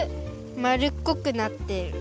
まるっこくなってる。